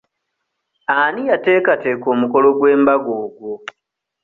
Ani yateekateeka omukolo gw'embaga ogwo?